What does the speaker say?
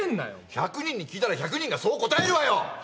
１００人に聞いたら１００人がそう答えるわよ！